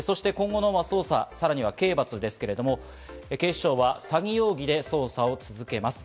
そして今後の捜査、さらには刑罰、警視庁は詐欺容疑で捜査を続けます。